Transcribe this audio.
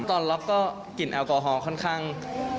ตอนล็อกก็กลิ่นแอลกอฮอลค่อนข้าง